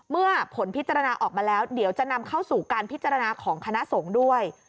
เมื่อผลพิจารณาออกมาแล้วเดี๋ยวจะนำเข้าสู่การพิจารณาของคณะสงฆ์ด้วย